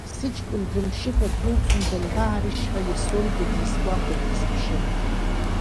Сыҷкәын дрымшьыкәа дрылҵны данбааришь ҳәа Иасонгьы дизгәаҟуа дизыԥшын.